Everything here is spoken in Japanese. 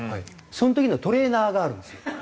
その時のトレーナーがあるんですよ。